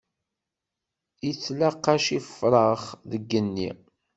Ittlaqac ifrax, deg genni.